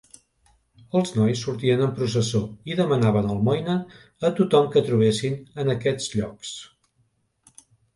Els nois sortien en processó i demanaven almoina a tothom que trobessin en aquests llocs.